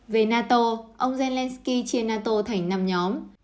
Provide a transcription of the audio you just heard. về nato ông zelenskyy chia nato thành năm nhóm